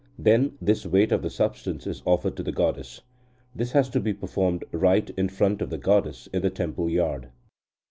Then this weight of the substance is offered to the goddess. This has to be performed right in front of the goddess in the temple yard."